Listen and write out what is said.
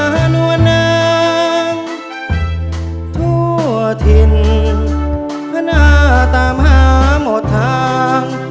อย่าหน่วนนางทั่วถิ่นพนาตามหาหมดทาง